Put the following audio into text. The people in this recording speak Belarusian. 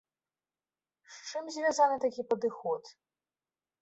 З чым звязаны такі падыход?